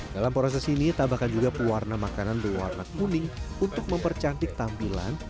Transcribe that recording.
dalam proses ini tambahkan juga pewarna makanan berwarna kuning untuk mempercantik tampilan